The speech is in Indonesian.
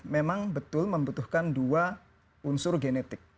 memang betul membutuhkan dua unsur genetik